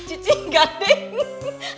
ibu enggak deng